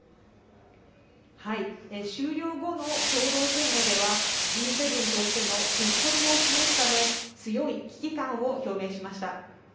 終了後の共同声明では、Ｇ７としての結束を示すため、強い危機感を表明しました。